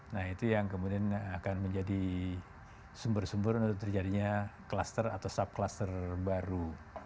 nah itu yang kemudian akan menjadi sumber sumber untuk terjadinya kluster atau sub cluster baru